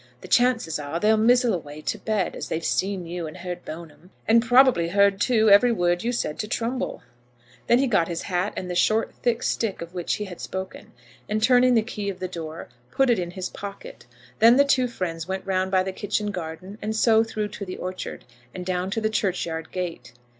The chances are they'll mizzle away to bed, as they've seen you, and heard Bone'm, and probably heard too every word you said to Trumbull." He then got his hat and the short, thick stick of which he had spoken, and turning the key of the door, put it in his pocket. Then the two friends went round by the kitchen garden, and so through to the orchard, and down to the churchyard gate.